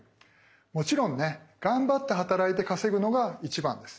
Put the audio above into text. もちろんね頑張って働いて稼ぐのが一番です。